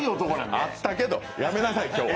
あったけど、やめなさい、今日は。